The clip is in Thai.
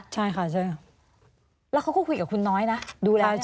ใช่ค่ะแล้วเขาก็คุยกับคุณน้อยนะ